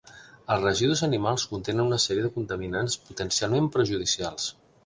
Els residus animals contenen una sèrie de contaminants potencialment perjudicials.